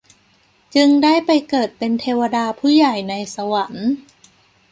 จึงได้ไปเกิดเป็นเทวดาผู้ใหญ่ในสวรรค์